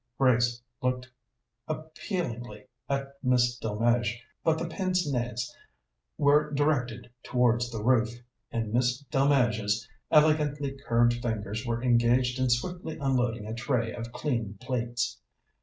Grace looked appealingly at Miss Delmege, but the pince nez were directed towards the roof, and Miss Delmege's elegantly curved fingers were engaged in swiftly unloading a tray of clean plates.